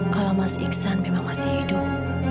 kalau mas iksan memang masih hidup